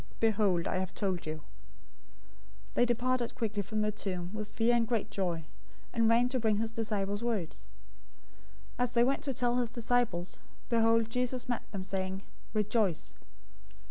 Behold, I have told you." 028:008 They departed quickly from the tomb with fear and great joy, and ran to bring his disciples word. 028:009 As they went to tell his disciples, behold, Jesus met them, saying, "Rejoice!"